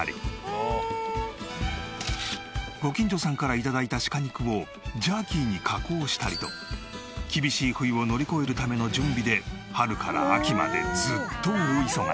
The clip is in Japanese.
ご近所さんから頂いたシカ肉をジャーキーに加工したりと厳しい冬を乗り越えるための準備で春から秋までずっと大忙し。